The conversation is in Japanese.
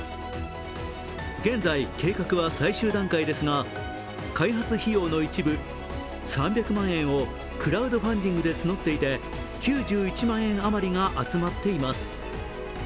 現在、計画は最終段階ですが開発費用の一部３００万円をクラウドファンディングで募っていて９１万円あまりが集まっています。